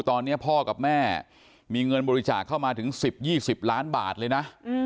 ตอนนี้พ่อกับแม่มีเงินบริจาคเข้ามาถึง๑๐๒๐ล้านบาทเลยนะ